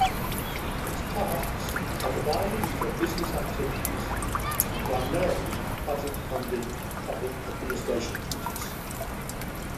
Its tasks are divided into business activities and primarily budget-funded public administration duties.